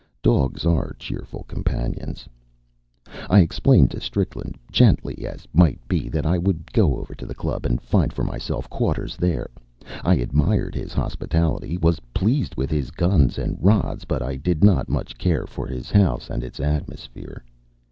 Dogs are cheerful companions. I explained to Strickland, gently as might be, that I would go over to the club and find for myself quarters there. I admired his hospitality, was pleased with his guns and rods, but I did not much care for his house and its atmosphere.